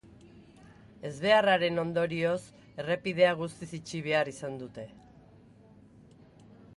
Ezbeharraren ondorioz, errepidea guztiz itxi behar izan dute.